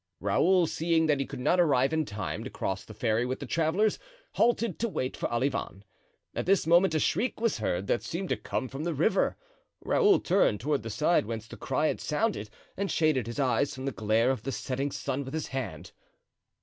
Raoul, seeing that he could not arrive in time to cross the ferry with the travelers, halted to wait for Olivain. At this moment a shriek was heard that seemed to come from the river. Raoul turned toward the side whence the cry had sounded, and shaded his eyes from the glare of the setting sun with his hand.